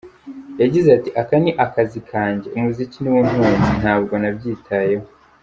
Yagize ati “Aka ni akazi kanjye, umuziki ni wo untunze, ntabwo nabyitayeho.